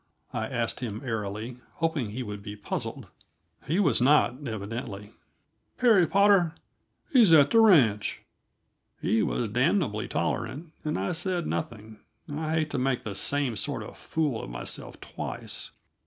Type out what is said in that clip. I asked him airily, hoping he would be puzzled. He was not, evidently. "Perry Potter? He's at the ranch." He was damnably tolerant, and I said nothing. I hate to make the same sort of fool of myself twice.